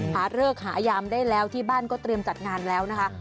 เลิกหายามได้แล้วที่บ้านก็เตรียมจัดงานแล้วนะคะ